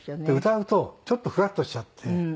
で歌うとちょっとふらっとしちゃって。